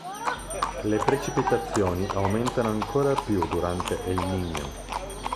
Le precipitazioni aumentano ancora più durante El Niño.